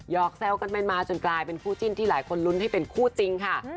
อกแซวกันไปมาจนกลายเป็นคู่จิ้นที่หลายคนลุ้นให้เป็นคู่จริงค่ะ